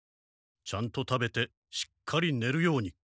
ちゃんと食べてしっかりねるように。